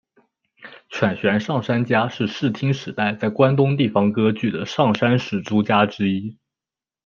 犬悬上杉家是室町时代在关东地方割据的上杉氏诸家之一。